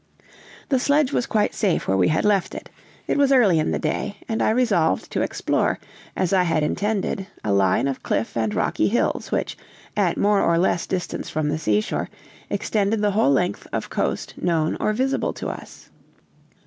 The sledge was quite safe where we had left it; it was early in the day, and I resolved to explore, as I had intended, a line of cliff and rocky hills, which, at more or less distance from the seashore, extended the whole length of coast known or visible to us.